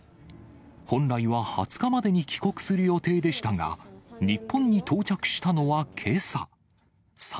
本来は２０日までに帰国する予定でしたが、日本に到着したのはけさ。